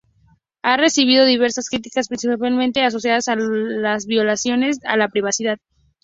Ha recibido diversas críticas principalmente asociadas a las violaciones a la privacidad.